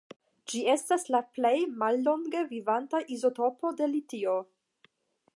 Ĝi estas la plej mallonge vivanta izotopo de litio.